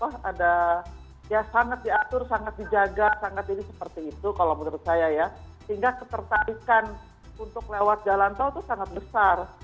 oh ada ya sangat diatur sangat dijaga sangat ini seperti itu kalau menurut saya ya sehingga ketertarikan untuk lewat jalan tol itu sangat besar